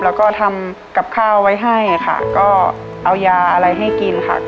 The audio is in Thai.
แล้วก็ทำกับข้าวไว้ให้ค่ะก็เอายาอะไรให้กินค่ะ